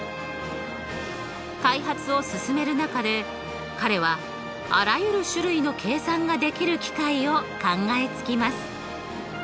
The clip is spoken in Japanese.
開発を進める中で彼はあらゆる種類の計算ができる機械を考えつきます。